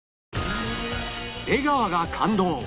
出川が感動！